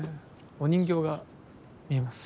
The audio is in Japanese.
お人形が見えます